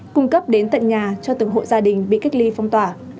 cung cấp đến tận nhà cho từng hộ gia đình bị cách ly phong tỏa